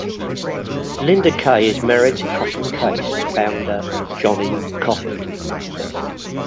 Lynda Kay is married to Coffin Case founder Jonny Coffin.